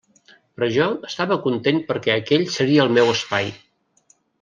Però jo estava content perquè aquell seria el meu espai.